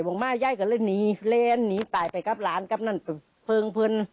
บอกมายายก็เลยหนีเล่นหนีตายไปครับหลานครับนั่นเพิ่งพึน